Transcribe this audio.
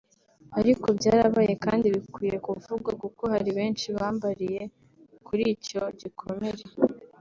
ariko byarabaye kandi bikwiye kuvugwa kuko hari benshi bambariye kuri icyo gikomere